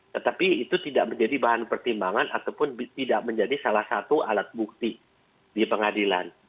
tetapi itu tidak menjadi bahan pertimbangan ataupun tidak menjadi salah satu alat bukti di pengadilan